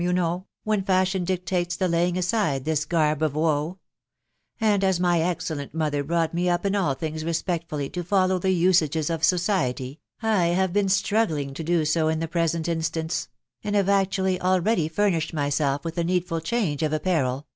The time is come, fc fully come, yow know, when fashion dictates the laying aside this garb of wee; and as my excellent mother toeugbt me np in &1 things respect fully to ftttow the ntage* of society, I have heen sfc uggfing to do so hi the present insOawce ••.* and hate actually already furnished myself with a needful change of apparel